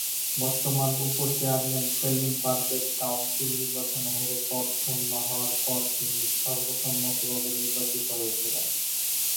বর্তমান উপ-চেয়ারম্যান সেলিম পারভেজ কাউন্সিল নির্বাচনে হেরে পদ শূন্য হওয়ার পরে তিনি সর্বসম্মতভাবে নির্বাচিত হয়েছিলেন।